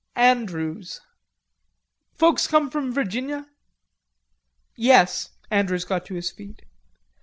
"Andrews." "Folks come from Virginia?" "Yes." Andrews got to his feet.